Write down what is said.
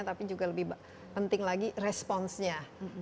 tapi juga lebih penting lagi responsnya